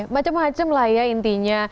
macem macem lah ya intinya